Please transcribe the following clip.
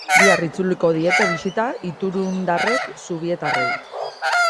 Bihar itzuliko diete bisita iturendarrek zubietarrei.